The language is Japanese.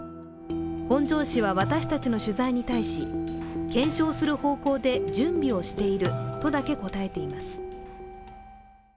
本庄市は私たちの取材に対し検証する方向で準備をしているとだけ答えています。